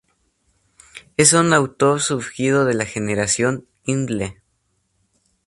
Es un autor surgido de la Generación Kindle.